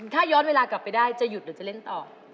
ถ้าย้อนเวลากลับไปได้จะหยุดหรือจะเล่นต่อ